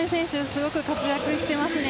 すごく活躍していますね。